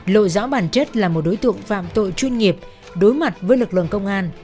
lộ rõ bản chất là một đối tượng phạm tội chuyên nghiệp đối mặt với lực lượng công an